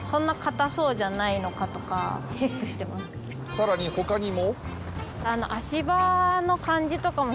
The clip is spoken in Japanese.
さらに他にも。